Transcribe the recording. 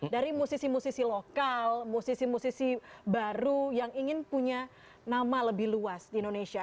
dari musisi musisi lokal musisi musisi baru yang ingin punya nama lebih luas di indonesia